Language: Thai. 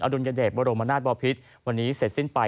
อรุณเย็นเดชน์โบราณนาตวภิษวันนี้เศ็ดสิ้นไป